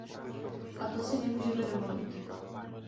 A to si nemůžeme dovolit.